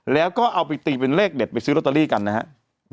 แล้วก็เอาไปตีเป็นเลขเด็ดไปซื้อลอตเตอรี่กันนะครับ